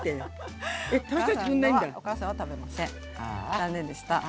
残念でした。